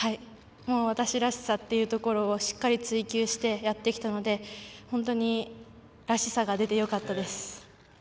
私らしさというところをしっかりと追求してやってきたので、本当にらしさが出てよかったです。